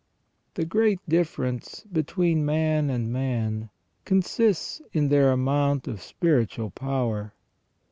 The great difference between man and man consists in their amount of spiritual power.